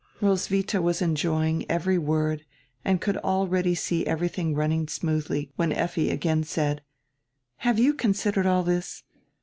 Roswitha was enjoying every word and could already see everything running smoothly, when Effi again said: "Have you considered all this?